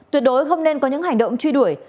tuyệt đối không nên có những hành động truy đuổi